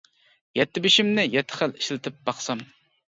يەتتە بېشىمنى يەتتە خىل ئىشلىتىپ باقسام.